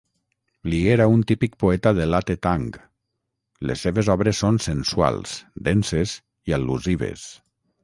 Li era un típic poeta de Late Tang: les seves obres són sensuals, denses i al·lusives.